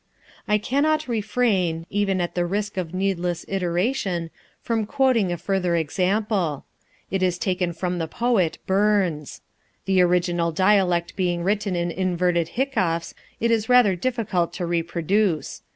I cannot refrain, even at the risk of needless iteration, from quoting a further example. It is taken from the poet Burns. The original dialect being written in inverted hiccoughs, is rather difficult to reproduce.